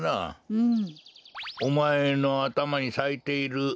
うん。